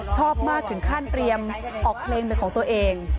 ชอบมากถึงขั้นเตรียมออกเพลงเป็นของตัวเอง